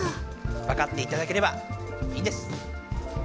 わかっていただければいいんです。